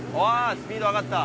スピード上がった。